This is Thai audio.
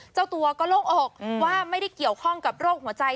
เจ้าตัวก็โล่งอกว่าไม่ได้เกี่ยวข้องกับโรคหัวใจ